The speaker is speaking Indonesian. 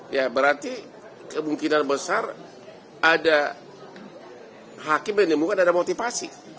ya berarti kemungkinan besar ada hakim menemukan ada motivasi